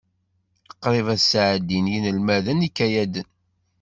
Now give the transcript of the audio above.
Qrib ad sɛeddin yinelmaden ikayaden.